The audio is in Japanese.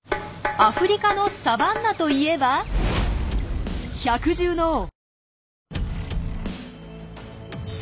アフリカのサバンナといえば百獣の王ライオン。